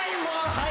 はい。